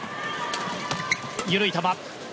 緩い球。